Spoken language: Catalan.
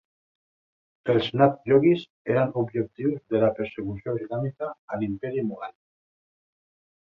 Els Nath Yogis eren objectius de la persecució islàmica a l'Imperi Mughal.